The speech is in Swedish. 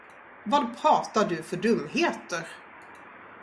Vad pratar du för dumheter?